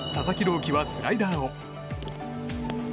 希はスライダーを。